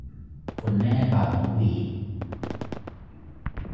คุณแม่เป่านกหวีด